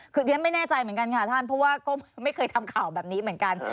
คือเรียนไม่แน่ใจเหมือนกันค่ะท่านเพราะว่าก็ไม่เคยทำข่าวแบบนี้เหมือนกัน